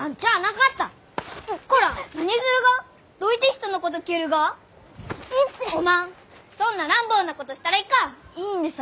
いいんです